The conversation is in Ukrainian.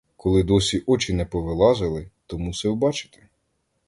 Коли досі очі не повилазили, то мусив бачити.